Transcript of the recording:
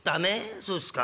そうっすか。